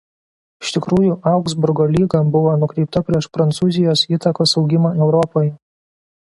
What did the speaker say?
Iš tikrųjų Augsburgo lyga buvo nukreipta prieš Prancūzijos įtakos augimą Europoje.